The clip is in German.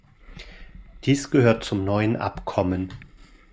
Dies gehört zum neuen Abkommen.